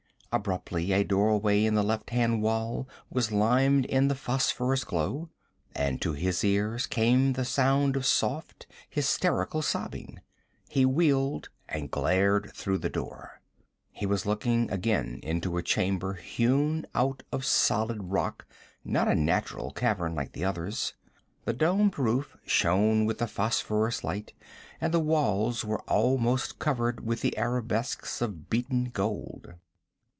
Abruptly a doorway in the left hand wall was limned in the phosphorus glow, and to his ears came the sound of soft, hysterical sobbing. He wheeled, and glared through the door. He was looking again into a chamber hewn out of solid rock, not a natural cavern like the others. The domed roof shone with the phosphorous light, and the walls were almost covered with arabesques of beaten gold.